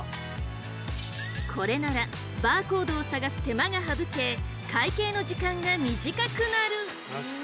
これならバーコードを探す手間が省け会計の時間が短くなる！